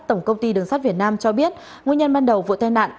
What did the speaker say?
tổng công ty đường sắt việt nam cho biết nguyên nhân ban đầu vụ tai nạn